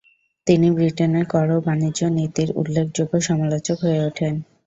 তিনি ব্রিটেনের কর ও বাণিজ্য নীতির উল্লেখযোগ্য সমালোচক হয়ে ওঠেন।